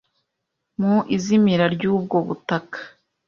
mu izimira ry'ubwo butaka,